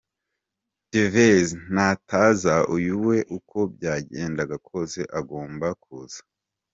Tevez nataza ,uyu we uko byagenda kose agomba kuza.